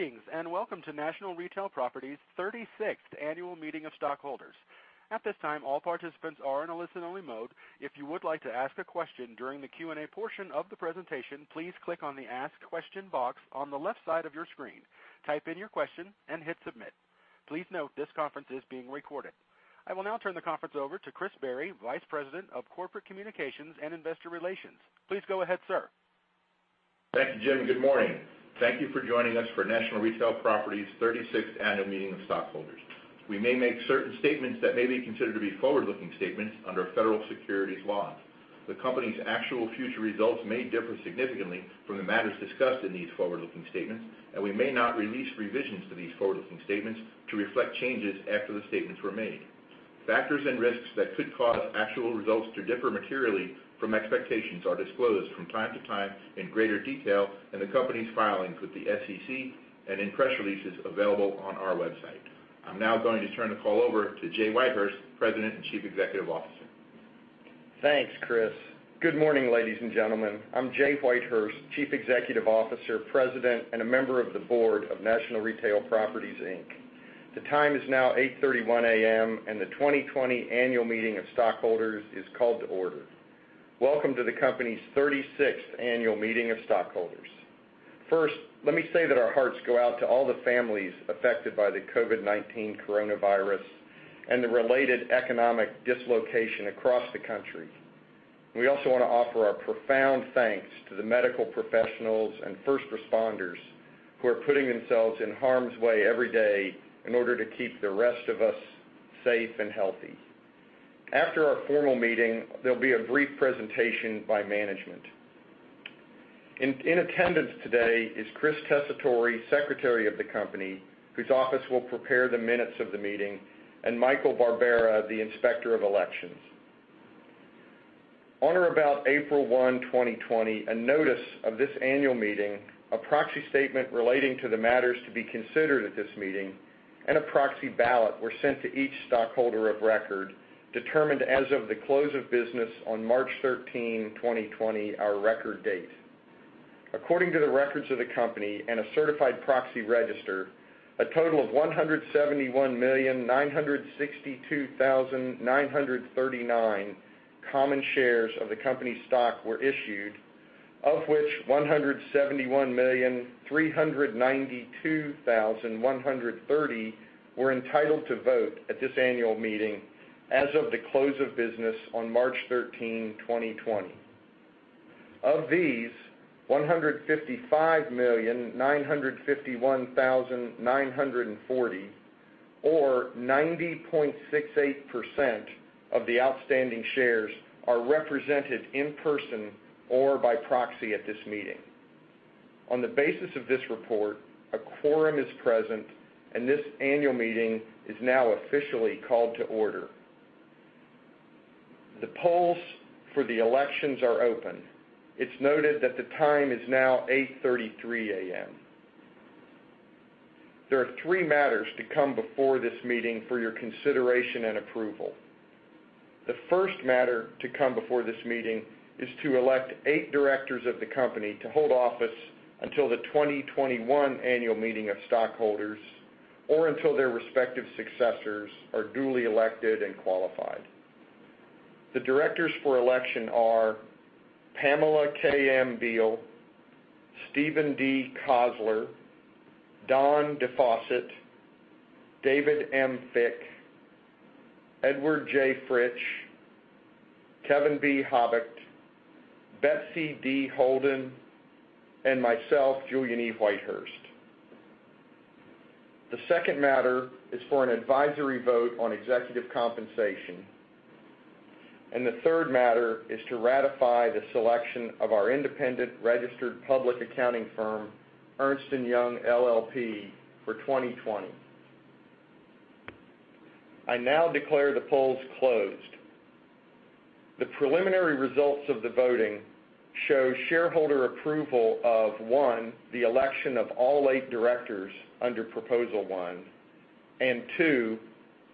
Greetings, and welcome to National Retail Properties 36th Annual Meeting of Stockholders. At this time, all participants are in a listen-only mode. If you would like to ask a question during the Q&A portion of the presentation, please click on the Ask Question box on the left side of your screen, type in your question and hit Submit. Please note this conference is being recorded. I will now turn the conference over to Chris Barry, Vice President of Corporate Communications and Investor Relations. Please go ahead, sir. Thank you, Jay Whitehurst. Good morning. Thank you for joining us for National Retail Properties 36th Annual Meeting of Stockholders. We may make certain statements that may be considered to be forward-looking statements under federal securities laws. The company's actual future results may differ significantly from the matters discussed in these forward-looking statements, and we may not release revisions to these forward-looking statements to reflect changes after the statements were made. Factors and risks that could cause actual results to differ materially from expectations are disclosed from time to time in greater detail in the company's filings with the SEC and in press releases available on our website. I'm now going to turn the call over to Jay Whitehurst, President and Chief Executive Officer. Thanks, Chris. Good morning, ladies and gentlemen. I'm Jay Whitehurst, chief executive officer, president, and a member of the board of National Retail Properties, Inc. The time is now 8:31 A.M., the 2020 annual meeting of stockholders is called to order. Welcome to the company's 36th annual meeting of stockholders. First, let me say that our hearts go out to all the families affected by the COVID-19 coronavirus and the related economic dislocation across the country. We also want to offer our profound thanks to the medical professionals and first responders who are putting themselves in harm's way every day in order to keep the rest of us safe and healthy. After our formal meeting, there'll be a brief presentation by management. In attendance today is Chris Tessitore, secretary of the company, whose office will prepare the minutes of the meeting, and Michael Barbera, the inspector of elections. On or about April 1, 2020, a notice of this annual meeting, a proxy statement relating to the matters to be considered at this meeting, and a proxy ballot were sent to each stockholder of record, determined as of the close of business on March 13, 2020, our record date. According to the records of the company and a certified proxy register, a total of 171,962,939 common shares of the company's stock were issued, of which 171,392,130 were entitled to vote at this annual meeting as of the close of business on March 13, 2020. Of these, 155,951,940, or 90.68% of the outstanding shares are represented in person or by proxy at this meeting. On the basis of this report, a quorum is present, and this annual meeting is now officially called to order. The polls for the elections are open. It's noted that the time is now 8:33 A.M. There are three matters to come before this meeting for your consideration and approval. The first matter to come before this meeting is to elect eight directors of the company to hold office until the 2021 annual meeting of stockholders, or until their respective successors are duly elected and qualified. The directors for election are Pamela K. M. Beall, Steven D. Cosler, Don DeFosset, David M. Fick, Edward J. Fritsch, Kevin B. Habicht, Betsy D. Holden, and myself, Julian E. Whitehurst. The second matter is for an advisory vote on executive compensation, and the third matter is to ratify the selection of our independent registered public accounting firm, Ernst & Young LLP, for 2020. I now declare the polls closed. The preliminary results of the voting show shareholder approval of, one, the election of all eight directors under proposal one, and two,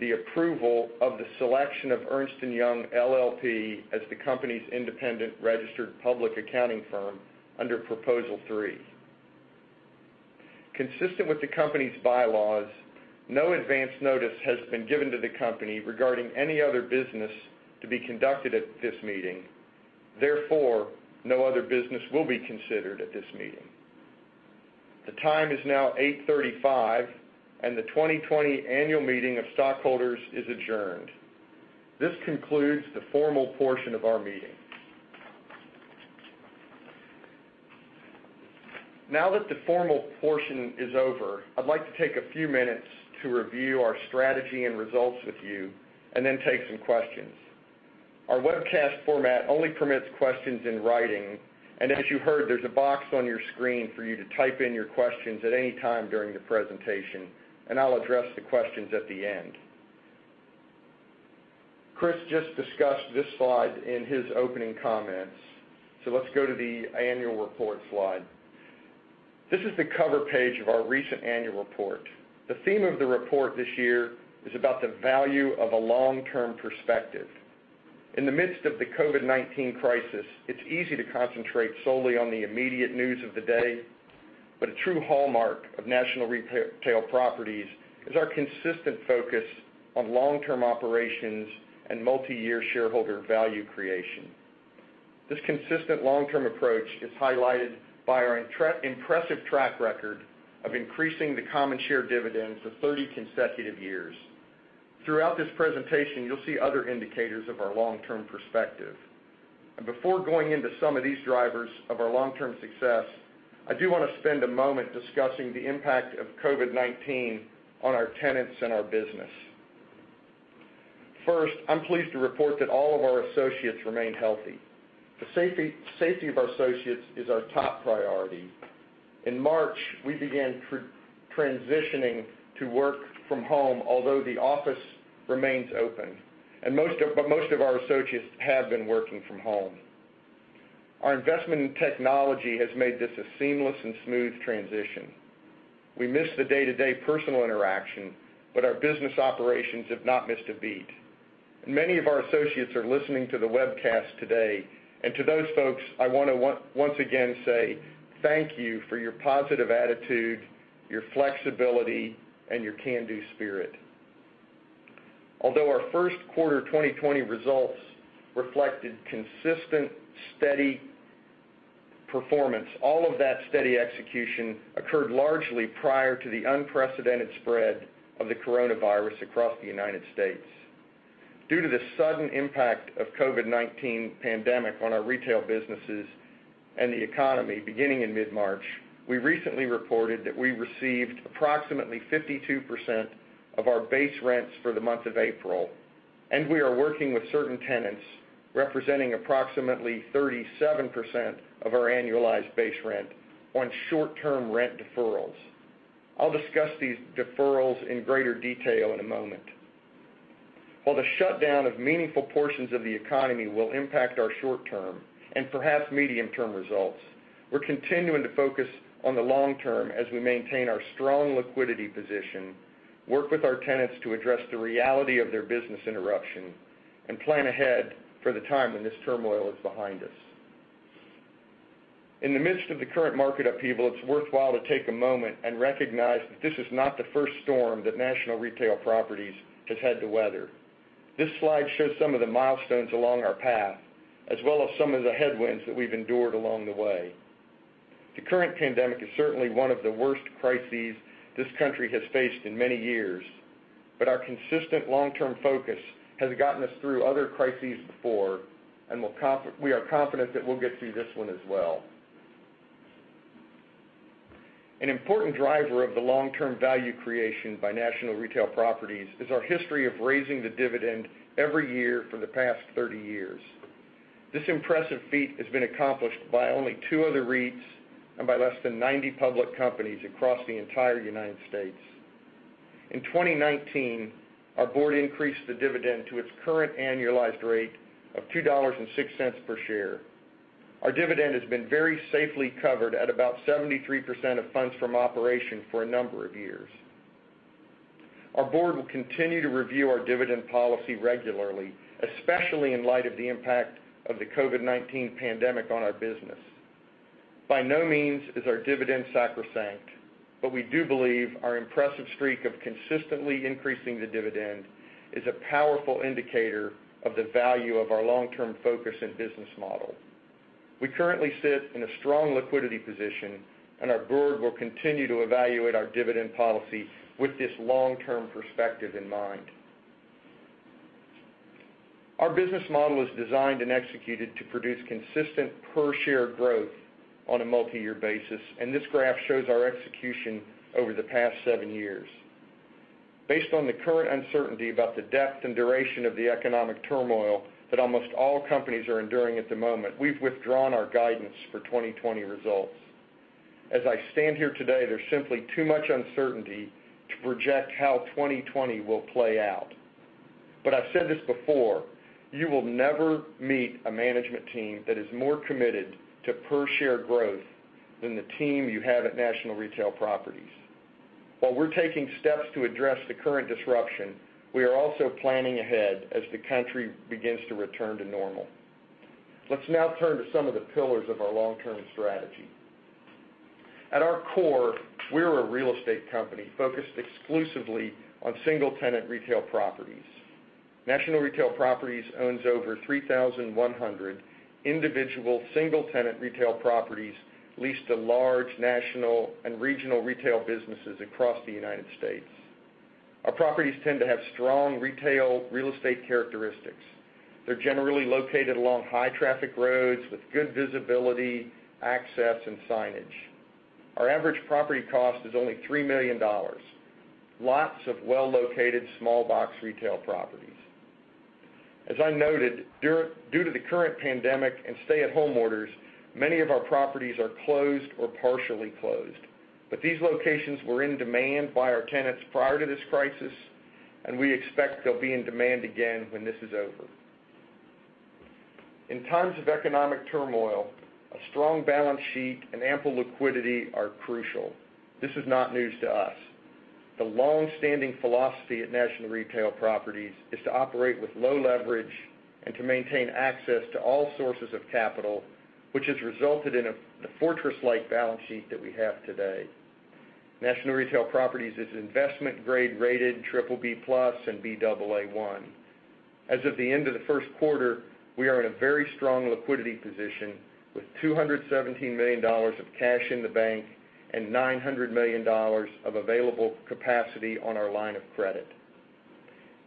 the approval of the selection of Ernst & Young LLP as the company's independent registered public accounting firm under proposal three. Consistent with the company's bylaws, no advance notice has been given to the company regarding any other business to be conducted at this meeting. Therefore, no other business will be considered at this meeting. The time is now 8:35 A.M., and the 2020 annual meeting of stockholders is adjourned. This concludes the formal portion of our meeting. Now that the formal portion is over, I'd like to take a few minutes to review our strategy and results with you and then take some questions. Our webcast format only permits questions in writing, and as you heard, there's a box on your screen for you to type in your questions at any time during the presentation, and I'll address the questions at the end. Chris just discussed this slide in his opening comments. Let's go to the annual report slide. This is the cover page of our recent annual report. The theme of the report this year is about the value of a long-term perspective. In the midst of the COVID-19 crisis, it's easy to concentrate solely on the immediate news of the day, but a true hallmark of National Retail Properties is our consistent focus on long-term operations and multi-year shareholder value creation. This consistent long-term approach is highlighted by our impressive track record of increasing the common share dividends for 30 consecutive years. Throughout this presentation, you'll see other indicators of our long-term perspective. Before going into some of these drivers of our long-term success, I do want to spend a moment discussing the impact of COVID-19 on our tenants and our business. First, I'm pleased to report that all of our associates remain healthy. The safety of our associates is our top priority. In March, we began transitioning to work from home, although the office remains open. Most of our associates have been working from home. Our investment in technology has made this a seamless and smooth transition. We miss the day-to-day personal interaction, but our business operations have not missed a beat. Many of our associates are listening to the webcast today. To those folks, I want to once again say thank you for your positive attitude, your flexibility, and your can-do spirit. Although our first quarter 2020 results reflected consistent, steady performance, all of that steady execution occurred largely prior to the unprecedented spread of the coronavirus across the United States. Due to the sudden impact of COVID-19 pandemic on our retail businesses and the economy beginning in mid-March, we recently reported that we received approximately 52% of our base rents for the month of April, and we are working with certain tenants representing approximately 37% of our annualized base rent on short-term rent deferrals. I'll discuss these deferrals in greater detail in a moment. While the shutdown of meaningful portions of the economy will impact our short-term and perhaps medium-term results, we're continuing to focus on the long term as we maintain our strong liquidity position, work with our tenants to address the reality of their business interruption, and plan ahead for the time when this turmoil is behind us. In the midst of the current market upheaval, it's worthwhile to take a moment and recognize that this is not the first storm that National Retail Properties has had to weather. This slide shows some of the milestones along our path, as well as some of the headwinds that we've endured along the way. The current pandemic is certainly one of the worst crises this country has faced in many years, but our consistent long-term focus has gotten us through other crises before, and we are confident that we'll get through this one as well. An important driver of the long-term value creation by National Retail Properties is our history of raising the dividend every year for the past 30 years. This impressive feat has been accomplished by only two other REITs and by less than 90 public companies across the entire United States. In 2019, our board increased the dividend to its current annualized rate of $2.06 per share. Our dividend has been very safely covered at about 73% of Funds from Operations for a number of years. Our board will continue to review our dividend policy regularly, especially in light of the impact of the COVID-19 pandemic on our business. By no means is our dividend sacrosanct. We do believe our impressive streak of consistently increasing the dividend is a powerful indicator of the value of our long-term focus and business model. We currently sit in a strong liquidity position. Our board will continue to evaluate our dividend policy with this long-term perspective in mind. Our business model is designed and executed to produce consistent per share growth on a multi-year basis. This graph shows our execution over the past seven years. Based on the current uncertainty about the depth and duration of the economic turmoil that almost all companies are enduring at the moment, we've withdrawn our guidance for 2020 results. As I stand here today, there's simply too much uncertainty to project how 2020 will play out. I've said this before, you will never meet a management team that is more committed to per share growth than the team you have at National Retail Properties. While we're taking steps to address the current disruption, we are also planning ahead as the country begins to return to normal. Let's now turn to some of the pillars of our long-term strategy. At our core, we're a real estate company focused exclusively on single-tenant retail properties. National Retail Properties owns over 3,100 individual single-tenant retail properties leased to large national and regional retail businesses across the United States. Our properties tend to have strong retail real estate characteristics. They're generally located along high-traffic roads with good visibility, access, and signage. Our average property cost is only $3 million. Lots of well-located small box retail properties. As I noted, due to the current pandemic and stay-at-home orders, many of our properties are closed or partially closed. These locations were in demand by our tenants prior to this crisis, and we expect they'll be in demand again when this is over. In times of economic turmoil, a strong balance sheet and ample liquidity are crucial. This is not news to us. The longstanding philosophy at National Retail Properties is to operate with low leverage and to maintain access to all sources of capital, which has resulted in the fortress-like balance sheet that we have today. National Retail Properties is investment grade rated BBB+ and Baa1. As of the end of the first quarter, we are in a very strong liquidity position with $217 million of cash in the bank and $900 million of available capacity on our line of credit.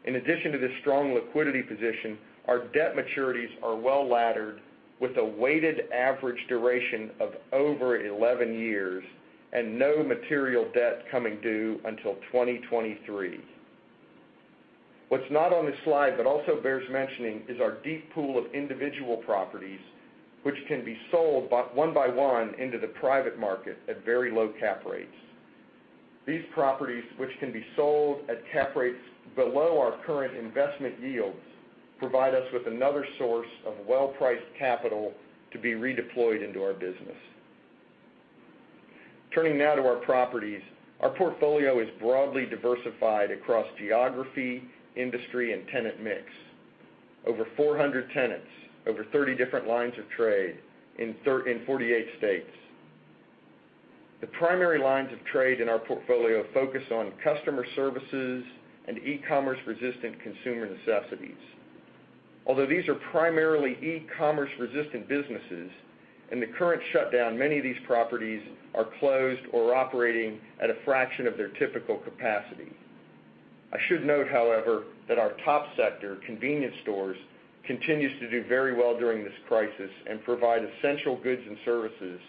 In addition to this strong liquidity position, our debt maturities are well-laddered with a weighted average duration of over 11 years and no material debt coming due until 2023. What's not on this slide but also bears mentioning is our deep pool of individual properties, which can be sold one by one into the private market at very low cap rates. These properties, which can be sold at cap rates below our current investment yields, provide us with another source of well-priced capital to be redeployed into our business. Turning now to our properties. Our portfolio is broadly diversified across geography, industry, and tenant mix. Over 400 tenants, over 30 different lines of trade in 48 states. The primary lines of trade in our portfolio focus on customer services and e-commerce-resistant consumer necessities. Although these are primarily e-commerce-resistant businesses, in the current shutdown, many of these properties are closed or operating at a fraction of their typical capacity. I should note, however, that our top sector, convenience stores, continues to do very well during this crisis and provide essential goods and services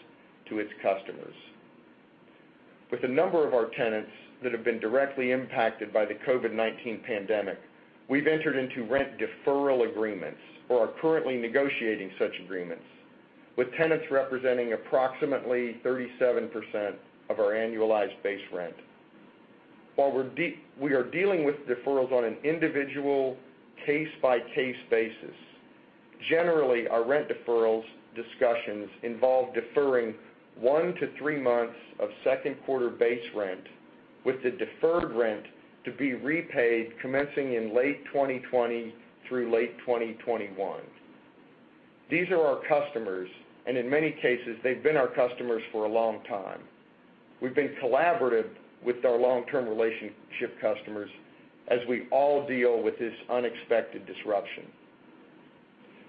to its customers. With a number of our tenants that have been directly impacted by the COVID-19 pandemic, we've entered into rent deferral agreements or are currently negotiating such agreements with tenants representing approximately 37% of our annualized base rent. While we are dealing with deferrals on an individual case-by-case basis, generally, our rent deferrals discussions involve deferring 1 to 3 months of second quarter base rent with the deferred rent to be repaid commencing in late 2020 through late 2021. These are our customers, and in many cases, they've been our customers for a long time. We've been collaborative with our long-term relationship customers as we all deal with this unexpected disruption.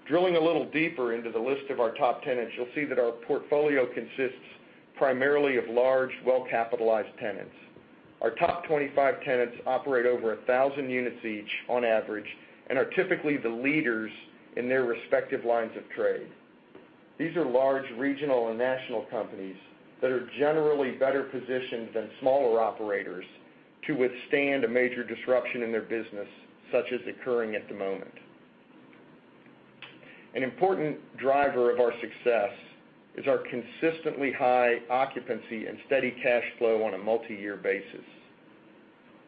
Drilling a little deeper into the list of our top tenants, you'll see that our portfolio consists primarily of large, well-capitalized tenants. Our top 25 tenants operate over 1,000 units each on average and are typically the leaders in their respective lines of trade. These are large regional and national companies that are generally better positioned than smaller operators to withstand a major disruption in their business such as occurring at the moment. An important driver of our success is our consistently high occupancy and steady cash flow on a multi-year basis.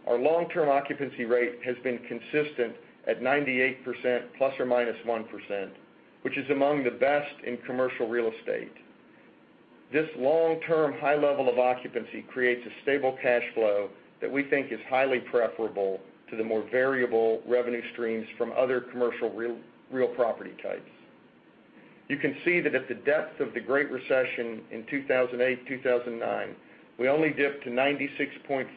Our long-term occupancy rate has been consistent at 98% ±1%, which is among the best in commercial real estate. This long-term high level of occupancy creates a stable cash flow that we think is highly preferable to the more variable revenue streams from other commercial real property types. You can see that at the depth of the Great Recession in 2008-2009, we only dipped to 96.4%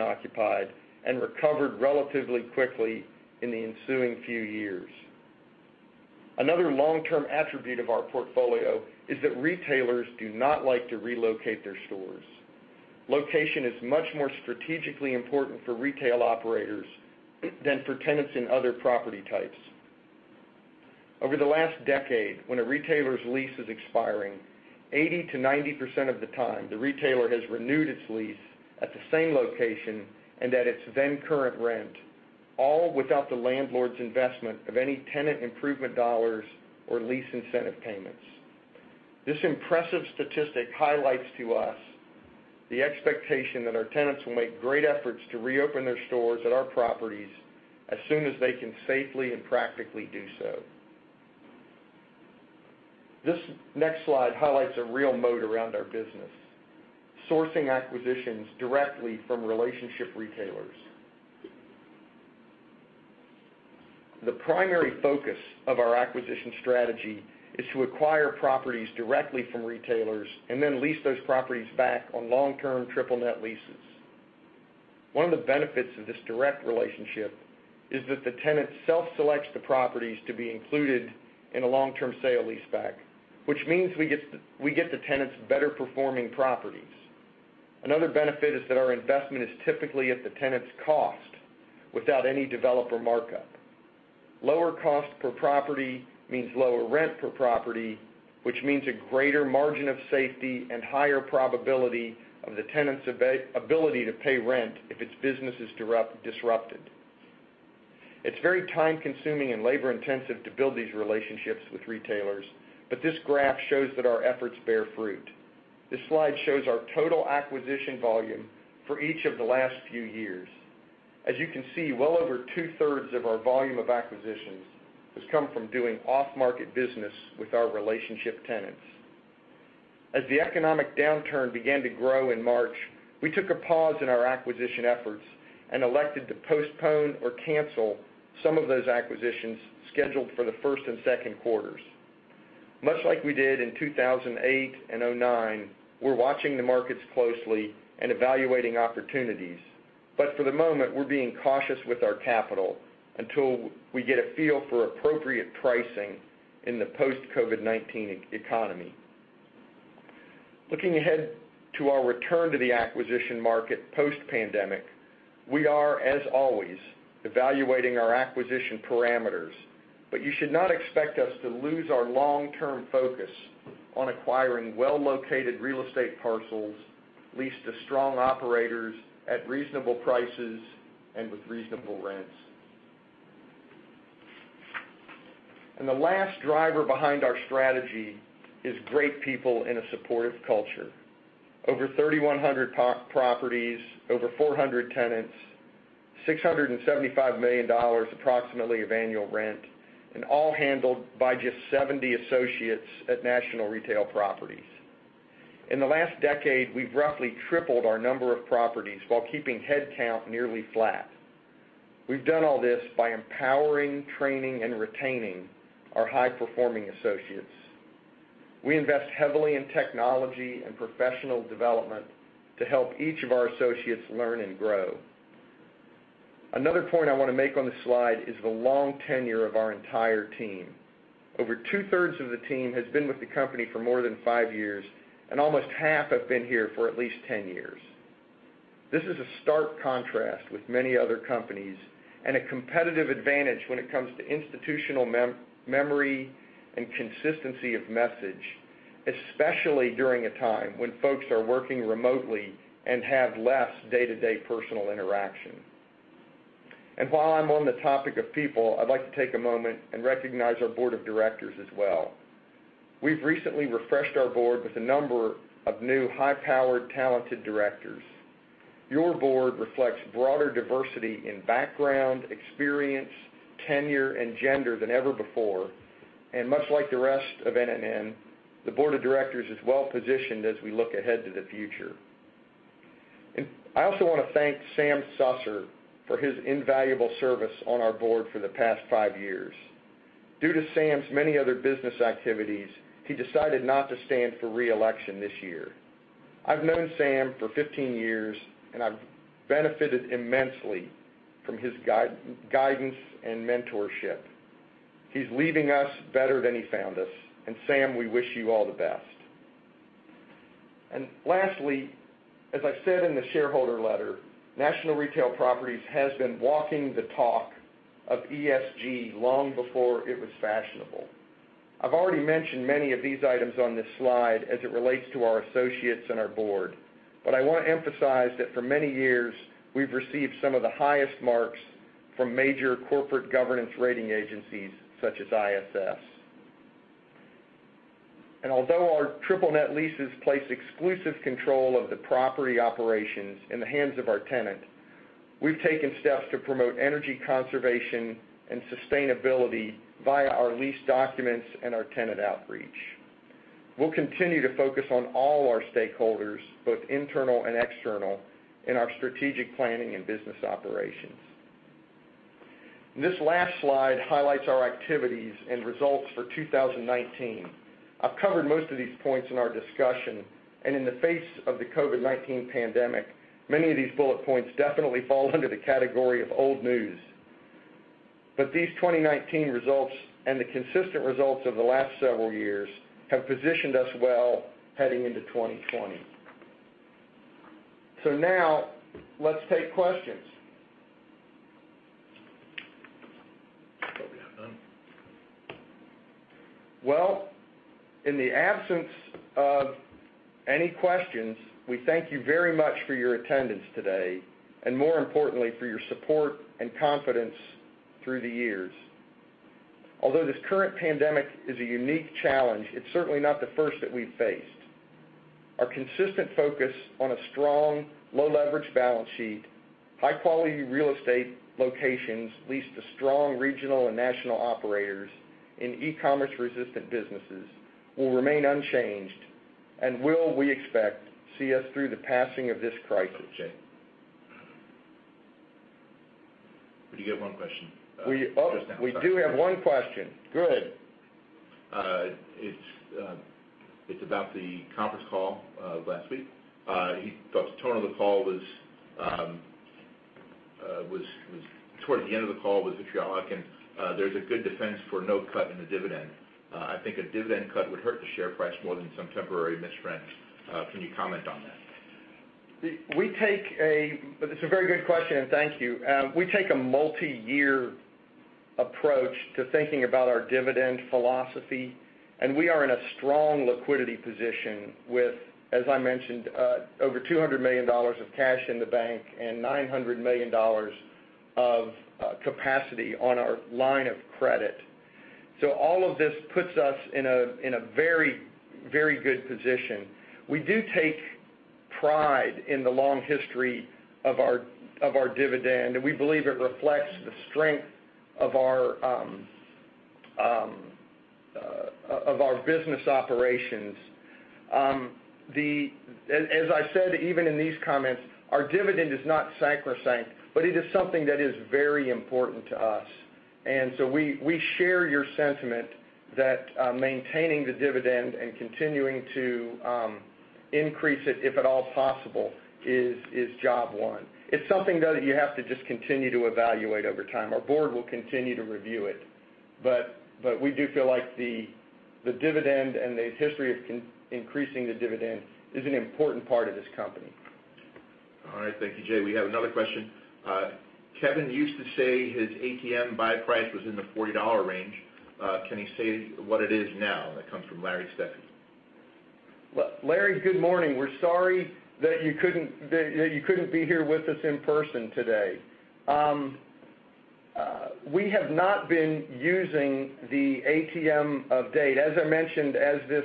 occupied and recovered relatively quickly in the ensuing few years. Another long-term attribute of our portfolio is that retailers do not like to relocate their stores. Location is much more strategically important for retail operators than for tenants in other property types. Over the last decade, when a retailer's lease is expiring, 80%-90% of the time, the retailer has renewed its lease at the same location and at its then current rent, all without the landlord's investment of any tenant improvement dollars or lease incentive payments. This impressive statistic highlights to us the expectation that our tenants will make great efforts to reopen their stores at our properties as soon as they can safely and practically do so. This next slide highlights a real moat around our business, sourcing acquisitions directly from relationship retailers. The primary focus of our acquisition strategy is to acquire properties directly from retailers and then lease those properties back on long-term triple net leases. One of the benefits of this direct relationship is that the tenant self-selects the properties to be included in a long-term sale-leaseback, which means we get the tenants better performing properties. Another benefit is that our investment is typically at the tenant's cost without any developer markup. Lower cost per property means lower rent per property, which means a greater margin of safety and higher probability of the tenant's ability to pay rent if its business is disrupted. It's very time-consuming and labor-intensive to build these relationships with retailers, this graph shows that our efforts bear fruit. This slide shows our total acquisition volume for each of the last few years. You can see, well over two-thirds of our volume of acquisitions has come from doing off-market business with our relationship tenants. As the economic downturn began to grow in March, we took a pause in our acquisition efforts and elected to postpone or cancel some of those acquisitions scheduled for the first and second quarters. Much like we did in 2008 and 2009, we're watching the markets closely and evaluating opportunities. For the moment, we're being cautious with our capital until we get a feel for appropriate pricing in the post-COVID-19 economy. Looking ahead to our return to the acquisition market post-pandemic, we are, as always, evaluating our acquisition parameters. You should not expect us to lose our long-term focus on acquiring well-located real estate parcels leased to strong operators at reasonable prices and with reasonable rents. The last driver behind our strategy is great people and a supportive culture. Over 3,100 properties, over 400 tenants, $675 million approximately of annual rent, and all handled by just 70 associates at National Retail Properties. In the last decade, we've roughly tripled our number of properties while keeping head count nearly flat. We've done all this by empowering, training, and retaining our high-performing associates. We invest heavily in technology and professional development to help each of our associates learn and grow. Another point I want to make on this slide is the long tenure of our entire team. Over two-thirds of the team has been with the company for more than five years, and almost half have been here for at least 10 years. This is a stark contrast with many other companies and a competitive advantage when it comes to institutional memory and consistency of message, especially during a time when folks are working remotely and have less day-to-day personal interaction. While I'm on the topic of people, I'd like to take a moment and recognize our board of directors as well. We've recently refreshed our board with a number of new high-powered, talented directors. Your board reflects broader diversity in background, experience, tenure, and gender than ever before. Much like the rest of NNN, the board of directors is well-positioned as we look ahead to the future. I also want to thank Sam Susser for his invaluable service on our board for the past five years. Due to Sam's many other business activities, he decided not to stand for re-election this year. I've known Sam for 15 years, and I've benefited immensely from his guidance and mentorship. He's leaving us better than he found us, and Sam, we wish you all the best. Lastly, as I said in the shareholder letter, National Retail Properties has been walking the talk of ESG long before it was fashionable. I've already mentioned many of these items on this slide as it relates to our associates and our board, I want to emphasize that for many years, we've received some of the highest marks from major corporate governance rating agencies such as ISS. Although our triple net leases place exclusive control of the property operations in the hands of our tenant, we've taken steps to promote energy conservation and sustainability via our lease documents and our tenant outreach. We'll continue to focus on all our stakeholders, both internal and external, in our strategic planning and business operations. This last slide highlights our activities and results for 2019. I've covered most of these points in our discussion, in the face of the COVID-19 pandemic, many of these bullet points definitely fall under the category of old news. These 2019 results and the consistent results of the last several years have positioned us well heading into 2020. Now, let's take questions. I thought we had none. Well, in the absence of any questions, we thank you very much for your attendance today and, more importantly, for your support and confidence through the years. Although this current pandemic is a unique challenge, it's certainly not the first that we've faced. Our consistent focus on a strong, low-leverage balance sheet, high-quality real estate locations leased to strong regional and national operators in e-commerce resistant businesses will remain unchanged and will, we expect, see us through the passing of this crisis. We do get one question. We do have one question. Good. It's about the conference call last week. He thought the tone of the call was, toward the end of the call, was vitriolic, and there's a good defense for no cut in the dividend. I think a dividend cut would hurt the share price more than some temporary missed rent. Can you comment on that? It's a very good question. Thank you. We take a multi-year approach to thinking about our dividend philosophy, and we are in a strong liquidity position with, as I mentioned, over $200 million of cash in the bank and $900 million of capacity on our line of credit. All of this puts us in a very good position. We do take pride in the long history of our dividend, and we believe it reflects the strength of our business operations. As I said, even in these comments, our dividend is not sacrosanct, but it is something that is very important to us. We share your sentiment that maintaining the dividend and continuing to increase it, if at all possible, is job one. It's something, though, that you have to just continue to evaluate over time. Our board will continue to review it. We do feel like the dividend and the history of increasing the dividend is an important part of this company. All right. Thank you, Jay. We have another question. "Kevin used to say his ATM buy price was in the $40 range. Can he say what it is now?" That comes from Larry Steffy. Larry, good morning. We're sorry that you couldn't be here with us in person today. We have not been using the ATM of date. As I mentioned, as this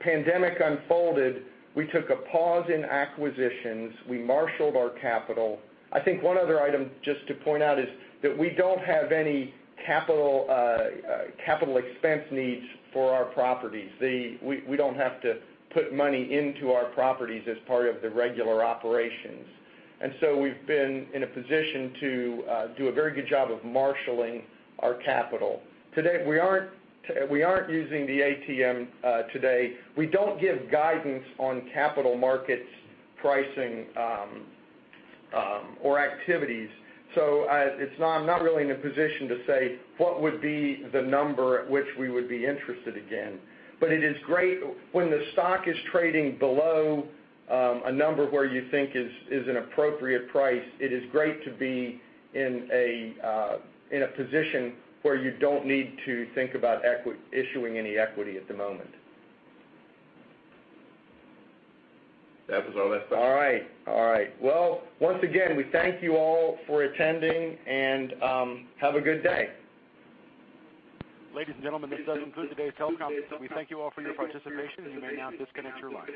pandemic unfolded, we took a pause in acquisitions. We marshaled our capital. I think one other item just to point out is that we don't have any capital expense needs for our properties. We don't have to put money into our properties as part of the regular operations. We've been in a position to do a very good job of marshaling our capital. We aren't using the ATM today. We don't give guidance on capital markets pricing or activities, I'm not really in a position to say what would be the number at which we would be interested again. When the stock is trading below a number where you think is an appropriate price, it is great to be in a position where you don't need to think about issuing any equity at the moment. That was all that stuff. All right. Well, once again, we thank you all for attending, and have a good day. Ladies and gentlemen, this does conclude today's teleconference. We thank you all for your participation. You may now disconnect your line.